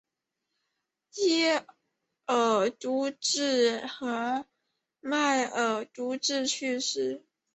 耶尔朱哲和迈尔朱哲出世。